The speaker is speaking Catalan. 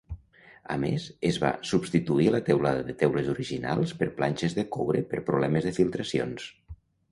A més, es va substituir la teulada de teules original per planxes de coure per problemes de filtracions.